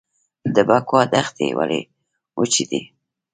د بکوا دښتې ولې وچې دي؟